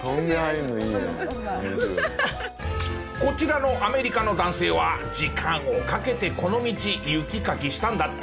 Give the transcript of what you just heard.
こちらのアメリカの男性は時間をかけてこの道雪かきしたんだって。